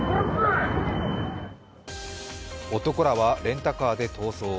男らはレンタカーで逃走。